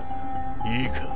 いいか？